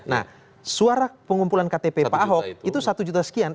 nah suara pengumpulan ktp pak ahok itu satu juta sekian